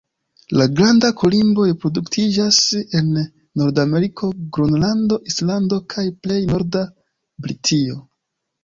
La Granda kolimbo reproduktiĝas en Nordameriko, Gronlando, Islando, kaj plej norda Britio.